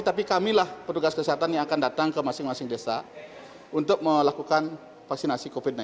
tapi kamilah petugas kesehatan yang akan datang ke masing masing desa untuk melakukan vaksinasi covid sembilan belas